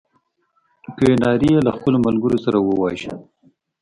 کیوناري یې له خپلو ملګرو سره وواژه.